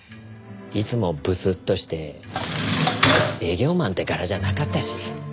いつもぶすっとして営業マンって柄じゃなかったし。